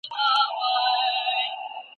سياست له ټولني پرته معنا نلري.